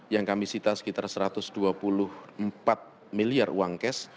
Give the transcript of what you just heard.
yang kami sita sekitar satu ratus dua puluh empat miliar uang cash